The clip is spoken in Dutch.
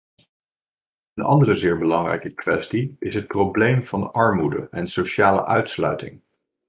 Een andere zeer belangrijke kwestie is het probleem van armoede en sociale uitsluiting.